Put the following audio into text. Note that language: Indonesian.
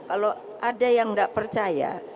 kalau ada yang nggak percaya